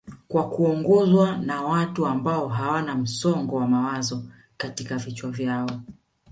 kwa kuongozwa na watu ambao hawana msongo wa mawazo katika vichwa vyao